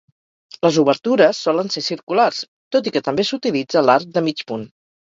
Les obertures solen ser circulars, tot i que també s'utilitza l'arc de mig punt.